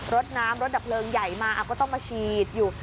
รถน้ำรถดับเพลิงใหญ่มาก็ต้องมาฉีดอยู่